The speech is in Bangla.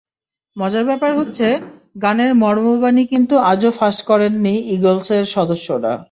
মজার ব্যাপার হচ্ছে, গানের মর্মবাণী কিন্তু আজও ফাঁস করেননি ইগলসের সদস্যরা।